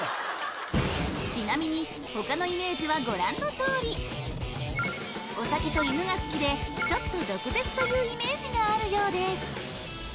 ちなみに他のイメージはご覧のとおりお酒と犬が好きでちょっと毒舌というイメージがあるようです